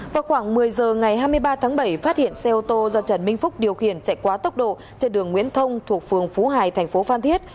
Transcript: vào khoảng một mươi giờ ngày hai mươi ba tháng bảy phát hiện xe ô tô do trần minh phúc điều khiển chạy quá tốc độ trên đường nguyễn thông thuộc phường phú hải thành phố phan thiết